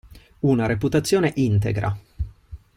Una reputazione integra.